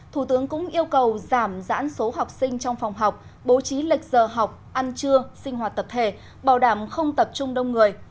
thủ tướng cũng yêu cầu giảm giãn số học sinh trong phòng học bố trí lệch giờ học ăn trưa sinh hoạt tập thể bảo đảm không tập trung đông người